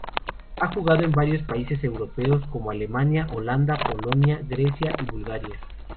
Ha jugado en varios países europeos, como Alemania, Holanda, Polonia, Grecia y Bulgaria.